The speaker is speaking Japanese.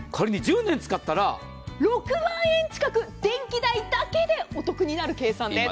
１０年使ったら６万円近く電気代だけでお得になる計算です。